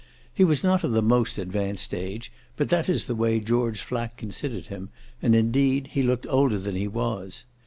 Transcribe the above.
He was not of the most advanced age, but that is the way George Flack considered him, and indeed he looked older than he was.